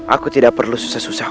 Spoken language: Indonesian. aku tidak perlu susah susah